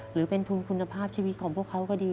หรือเป็นทุนคุณภาพชีวิตของพวกเขาก็ดี